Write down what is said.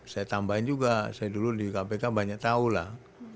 saya tambahin juga saya dulu di kpk banyak tahu lah